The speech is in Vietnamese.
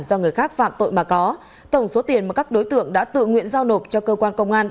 do người khác phạm tội mà có tổng số tiền mà các đối tượng đã tự nguyện giao nộp cho cơ quan công an